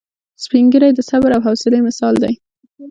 سپین ږیری د صبر او حوصلې مثال دی